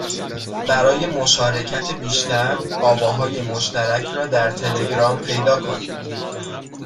برای مشارکت بیشتر آواهای مشترک را در تلگرام پیدا کنید